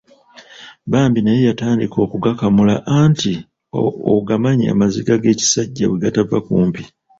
Bambi naye yatandika okugakamula anti ogamanyi amaziga g'ekisajja bwe gatava kumpi.